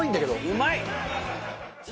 うまい！